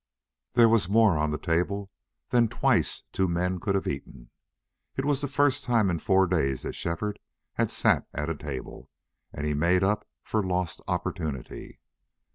There was more on the table than twice two men could have eaten. It was the first time in four days that Shefford had sat at a table, and he made up for lost opportunity.